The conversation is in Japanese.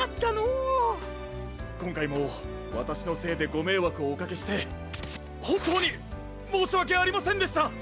こんかいもわたしのせいでごめいわくをおかけしてほんとうにもうしわけありませんでした！